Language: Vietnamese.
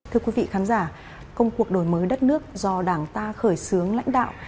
thưa quý vị khán giả công cuộc đổi mới đất nước do đảng ta khởi xướng lãnh đạo